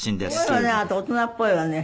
あなた大人っぽいわね。